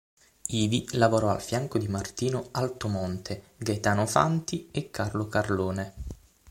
Ivi lavorò al fianco di Martino Altomonte, Gaetano Fanti e Carlo Carlone.